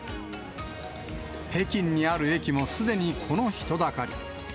北京にある駅もすでにこの人だかり。